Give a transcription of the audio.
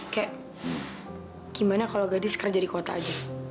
ke gimana kalo gadis kerja di kota aja